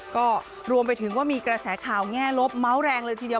ก็รวมไปถึงว่ามีกระแสข่าวแง่ลบเมาส์แรงเลยทีเดียว